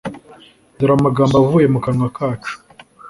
dore amagambo avuye mu kanwa kacu.